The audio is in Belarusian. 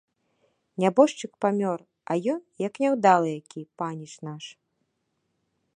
Нябожчык памёр, а ён, як няўдалы які, паніч наш.